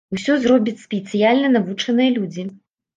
Усё зробяць спецыяльна навучаныя людзі.